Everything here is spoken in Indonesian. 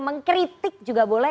mengkritik juga boleh